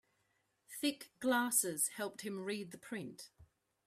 Thick glasses helped him read the print.